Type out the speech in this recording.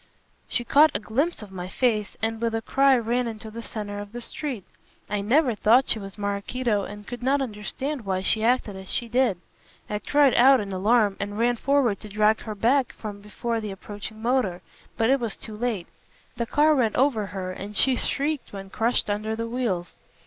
She caught a glimpse of my face, and with a cry ran into the centre of the street. I never thought she was Maraquito, and could not understand why she acted as she did. I cried out in alarm, and ran forward to drag her back from before the approaching motor. But it was too late, the car went over her and she shrieked when crushed under the wheels.